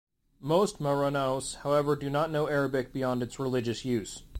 Most Maranaos, however, do not know Arabic beyond its religious use.